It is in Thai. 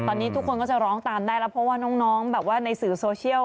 ตอนนี้ทุกคนก็จะร้องตามได้แล้วเพราะว่าน้องแบบว่าในสื่อโซเชียล